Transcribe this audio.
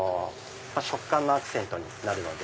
食感のアクセントになるので。